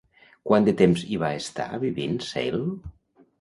Quant de temps hi va estar vivint Sale?